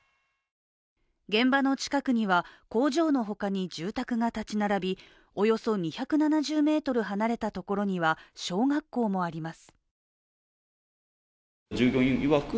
現場の近くには工場の他に住宅が建ち並びおよそ２７０ｍ離れた所には小学校もあります。